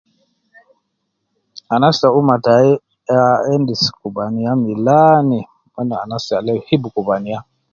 Anas ta umma tai ah endis kubaniya milani, mon anas al end hibu kubaniya